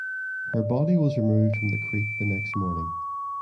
Her body was removed from the creek the next morning.